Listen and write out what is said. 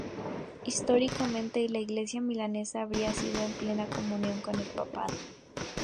Históricamente la iglesia milanesa habría sido en plena comunión con el Papado.